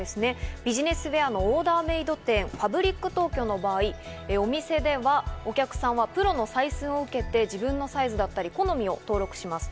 ビジネスウエアのオーダーメード店・ＦＡＢＲＩＣＴＯＫＹＯの場合、お店ではお客さんはプロの採寸を受けて、自分のサイズだったり好みを登録します。